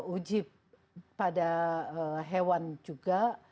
uji pada hewan juga